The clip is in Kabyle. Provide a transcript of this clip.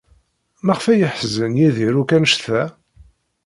Maɣef ay yeḥzen Yidir akk anect-a?